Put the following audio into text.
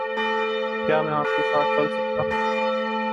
کیا میں آپ کے ساتھ چل سکتا ہوں؟